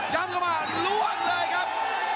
ย้ำเข้ามาล้วงเลยครับ